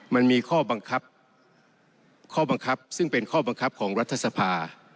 มันมีข้อบังคับซึ่งเป็นข้อบังคับของรัฐธรรมนูน